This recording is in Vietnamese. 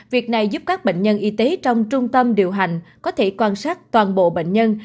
việc này giúp các bệnh nhân y tế trong trung tâm điều hành có thể quan sát toàn bộ bệnh nhân